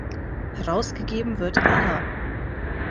Herausgegeben wird Aha!